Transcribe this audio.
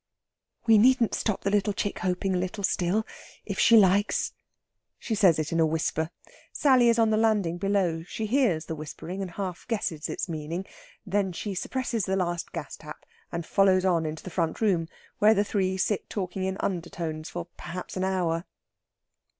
"We needn't stop the chick hoping a little still if she likes." She says it in a whisper. Sally is on the landing below; she hears the whispering, and half guesses its meaning. Then she suppresses the last gas tap, and follows on into the front room, where the three sit talking in undertones for perhaps an hour.